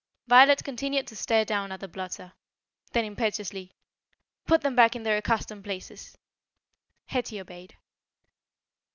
Violet continued to stare down at the blotter. Then impetuously: "Put them back in their accustomed places." Hetty obeyed.